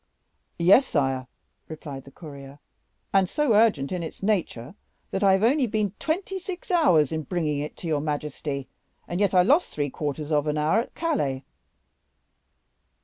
"Yes, sire," replied the courier, "and so urgent in its nature that I have only been twenty six hours in bringing it to your majesty, and yet I lost three quarters of an hour at Calais."